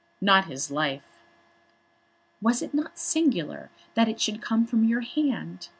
"Not his life." "Was it not singular that it should come from your hand?